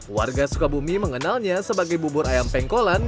warga sukabumi mengenalnya sebagai bubur ayam pengkolan